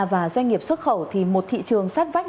và doanh nghiệp xuất khẩu thì một thị trường sát vách